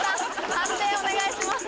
判定お願いします。